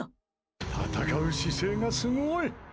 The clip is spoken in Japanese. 戦う姿勢がすごい！